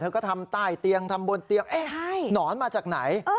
ก็ทำใต้เตียงทำบนเตียงหนอนมาจากไหน